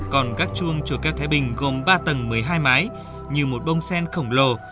còn các chuông chùa keo thái bình gồm ba tầng một mươi hai mái như một bông sen khổng lồ